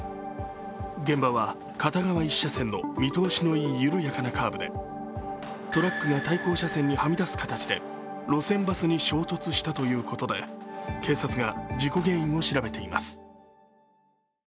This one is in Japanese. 現場は片側１車線の見通しのいい緩やかなカーブでトラックが対向車線にはみ出す形で路線バスに衝突したということで、警察が事故原因を調べています。